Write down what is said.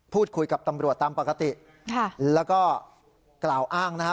พูดคุยกับตำรวจตามปกติค่ะแล้วก็กล่าวอ้างนะฮะ